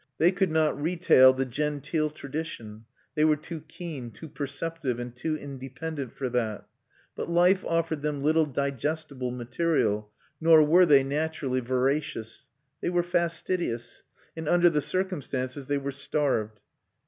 They could not retail the genteel tradition; they were too keen, too perceptive, and too independent for that. But life offered them little digestible material, nor were they naturally voracious. They were fastidious, and under the circumstances they were starved.